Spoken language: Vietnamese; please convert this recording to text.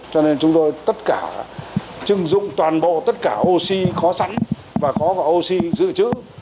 cho nên chúng tôi tất cả chứng dụng toàn bộ tất cả oxy có sẵn và có oxy dự trữ